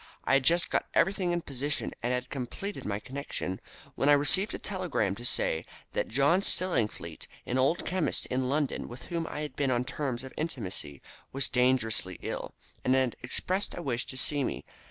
I had just got everything in position, and had completed my connection, when I received a telegram to say that John Stillingfleet, an old chemist in London with whom I had been on terms of intimacy, was dangerously ill, and had expressed a wish to see me.